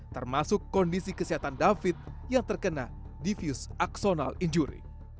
termasuk kondisi kesehatan david yang terkena diffuse accidental injury